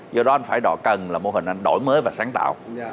do đó anh phải độ cần là mô hình anh đổi mới và sáng tạo